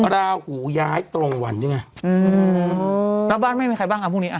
ราหูย้ายตรงวันนี่ไงอืมแล้วบ้านไม่มีใครบ้างเอาพรุ่งนี้